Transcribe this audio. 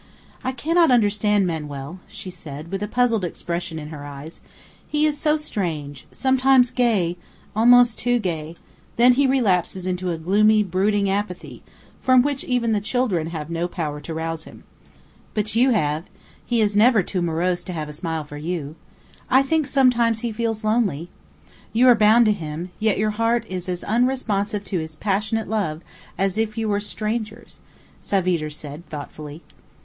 "I cannot understand Manuel," she said, with a puzzled expression in her eyes; "he is so strange, sometimes gay almost too gay; then he relapses into a gloomy, brooding apathy, from which even the children have no power to rouse him." "But you have. He is never too morose to have a smile for you. I think, sometimes, he feels lonely. You are bound to him, yet your heart is as unresponsive to his passionate love as if you were strangers," Savitre said, thoughtfully.